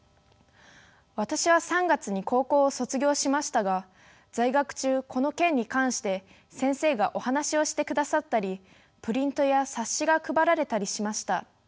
私は３月に高校を卒業しましたが在学中この件に関して先生がお話をしてくださったりプリントや冊子が配られたりしました。